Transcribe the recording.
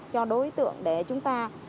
cho đối tượng để chúng ta